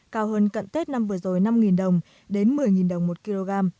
cao hơn cận tết năm vừa rồi năm đồng đến một mươi đồng một kg